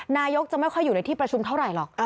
นายกจะไม่ค่อยอยู่ในที่ประชุมเท่าไหร่หรอก